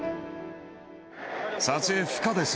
撮影不可です。